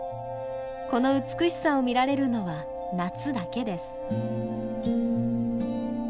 この美しさを見られるのは夏だけです。